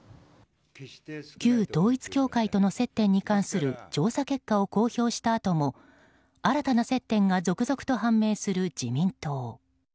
旧統一教会との接点に関する調査結果を公表したあとも新たな接点が続々と判明する自民党。